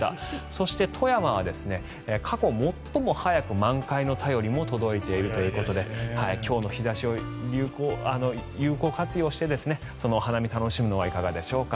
そして、富山は過去最も早く満開の便りも届いているということで今日の日差しを有効活用してお花見、楽しむのはいかがでしょうか。